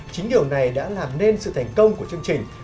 chính điều này đã làm nên sự thành công của chương trình